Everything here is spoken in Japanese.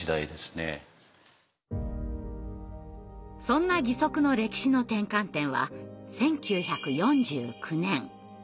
そんな義足の歴史の転換点は１９４９年。